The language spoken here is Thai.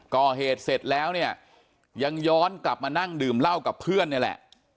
ก่อเหตุเสร็จแล้วเนี่ยยังย้อนกลับมานั่งดื่มเหล้ากับเพื่อนนี่แหละ